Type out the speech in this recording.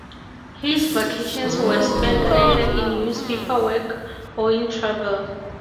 His vacations were spent either in newspaper work or in travel.